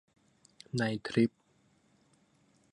ในทริป